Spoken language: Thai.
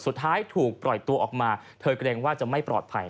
สุดท้ายถูกปล่อยตัวออกมาเธอเกรงว่าจะไม่ปลอดภัย